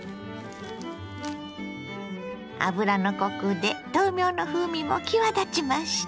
油のコクで豆苗の風味も際立ちました。